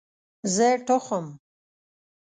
زه ټوخم